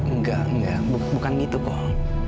enggak enggak bukan gitu kok